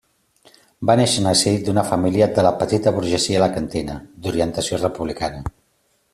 Va néixer en el si d'una família de la petita burgesia alacantina, d'orientació republicana.